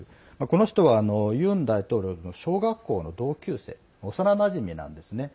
この人はユン大統領の小学校の同級生幼なじみなんですね。